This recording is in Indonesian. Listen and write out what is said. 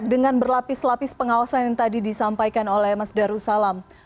dengan berlapis lapis pengawasan yang tadi disampaikan oleh mas darussalam